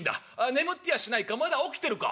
眠ってやしないかまだ起きてるか」。